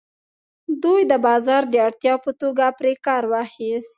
دوی د بازار د اړتیا په توګه پرې کار واخیست.